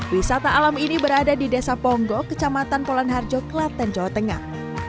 wisata alam ini berada di desa ponggo kecamatan polan harjo klaten jawa tengah